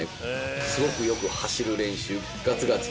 すごくよく走る練習ガツガツ